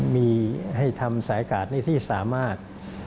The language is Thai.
มีให้ทำสายกาดในที่สามารถ